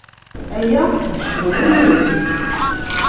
Aya d ccɣel-nwent.